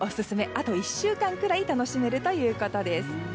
あと１週間ぐらい楽しめるということです。